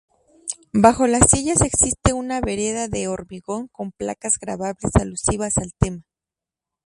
Bajo las sillas existe una vereda de hormigón con placas grabadas alusivas al tema.